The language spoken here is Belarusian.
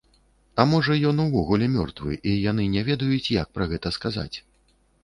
А можа, ён увогуле мёртвы, і яны не ведаюць, як пра гэта сказаць.